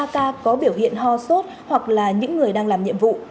ba ca có biểu hiện ho sốt hoặc là những người đang làm nhiệm vụ